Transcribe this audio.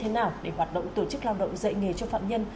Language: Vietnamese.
thế nào để hoạt động tổ chức lao động dạy nghề cho phạm nhân